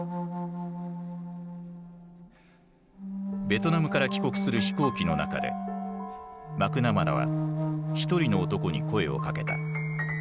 ベトナムから帰国する飛行機の中でマクナマラは一人の男に声をかけた。